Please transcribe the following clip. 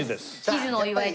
喜寿のお祝い。